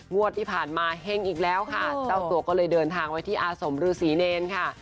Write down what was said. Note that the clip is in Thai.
งวดที่ผ่านมาเฮงอีกแล้วค่ะเจ้าตัวก็เลยเดินทางไว้ที่อาสมฤษีเนรค่ะ